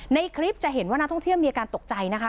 ในคลิปจะเห็นว่านักท่องเที่ยวมีอาการตกใจนะคะ